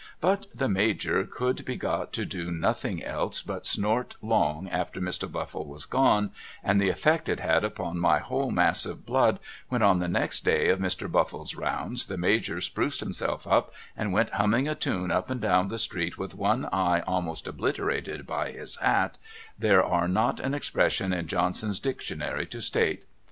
' But the Major could be got to do nothing else but snort long after Mr. Buffle was gone, and the effect it had upon my whole mass of blood when on the next day of Mr. Buftle's rounds the Major spruced himself up and went humming a tune up and down the street with one eye almost obliterated by his hat there are not expressions in Johnson's dictionary to state.